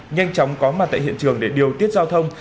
nhanh chóng có mặt tại hiện trường để điều tiết giao thông